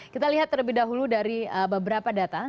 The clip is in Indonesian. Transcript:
kita lihat terlebih dahulu dari beberapa data